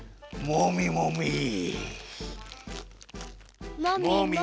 もみもみ。